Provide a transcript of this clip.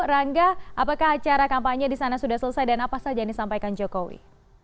rangga apakah acara kampanye di sana sudah selesai dan apa saja yang disampaikan jokowi